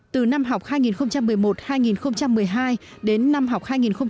từ năm học hai nghìn một mươi một hai nghìn một mươi hai đến năm học hai nghìn một mươi năm hai nghìn một mươi sáu